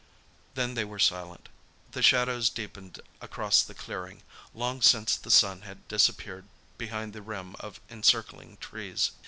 Then they were silent. The shadows deepened across the clearing. Long since the sun had disappeared behind the rim of encircling trees.